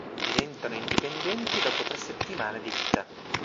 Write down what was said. Diventano indipendenti dopo tre settimane di vita.